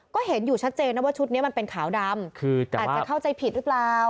ก็เห็นอยู่ชัดเจนนะว่าชุดนี้มันเป็นขาวดำอาจจะเข้าใจผิดหรือเปล่า